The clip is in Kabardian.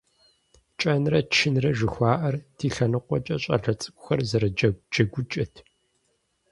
КӀэнрэ чынрэ жыхуаӏэр ди лъэныкъуэкӏэ щӀалэ цӀыкӀухэр зэрыджэгу джэгукӀэт.